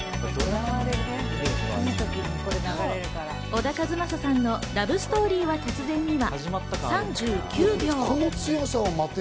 小田和正さんの『ラブ・ストーリーは突然に』は３９秒。